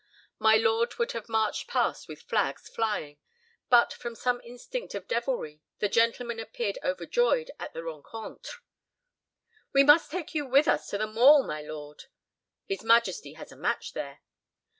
My lord would have marched past with flags flying. But from some instinct of devilry the gentlemen appeared overjoyed at the rencontre. "We must take you with us to the Mall, my lord." "His Majesty has a match there."